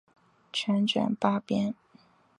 全卷八编。